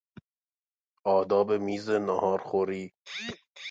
آداب میز نهارخوری